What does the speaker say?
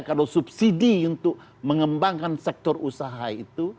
kalau subsidi untuk mengembangkan sektor usaha itu